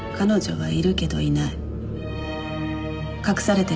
はい。